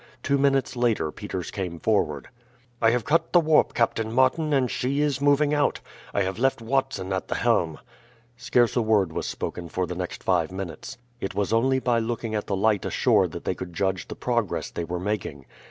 Two minutes later Peters came forward. "I have cut the warp, Captain Martin, and she is moving out. I have left Watson at the helm." Scarce a word was spoken for the next five minutes. It was only by looking at the light ashore that they could judge the progress they were making.